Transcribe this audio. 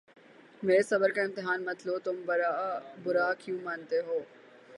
میرے صبر کا امتحان مت لو تم برا کیوں مناتے ہو